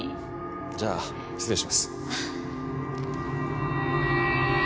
じゃあ失礼します。